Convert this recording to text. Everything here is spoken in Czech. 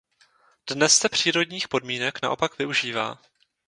Dnes se přírodních podmínek naopak využívá.